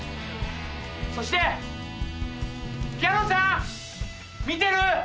そしてギャロさん見てる？